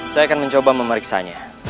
saya akan mencoba memeriksanya